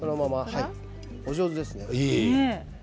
お上手ですね。